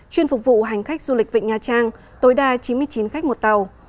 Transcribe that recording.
chuyên phục vụ hành khách du lịch vịnh nha trang tối đa chín mươi chín khách một tàu